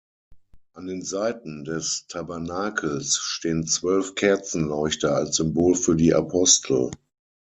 An den Seiten des Tabernakels stehen zwölf Kerzenleuchter als Symbol für die Apostel.